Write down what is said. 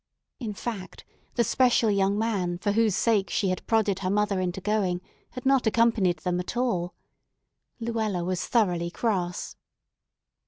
In fact, the special young man for whose sake she had prodded her mother into going had not accompanied them at all. Luella was thoroughly cross.